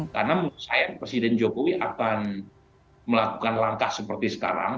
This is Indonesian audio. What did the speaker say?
karena menurut saya presiden jokowi akan melakukan langkah seperti sekarang